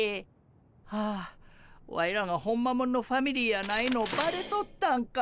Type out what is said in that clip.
はあワイらがホンマもんのファミリーやないのバレとったんか。